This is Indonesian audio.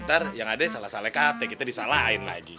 ntar yang ada salah salah kata kita disalahin lagi